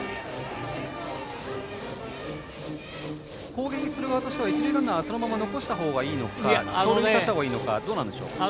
攻撃する側としては一塁ランナーを残したほうがいいのか盗塁させたほうがいいかどうでしょう。